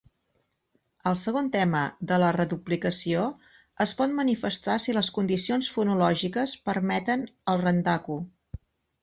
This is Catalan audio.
El segon tema de la reduplicació es pot manifestar si les condicions fonològiques permeten el rendaku.